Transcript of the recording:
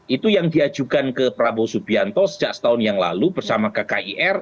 itu yang diajukan ke prabowo subianto sejak setahun yang lalu bersama kkir